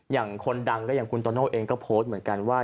อย่างคนดังก็อย่างคุณโตโน่เองก็โพสต์เหมือนกันว่า